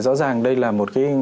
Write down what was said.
rõ ràng đây là một cái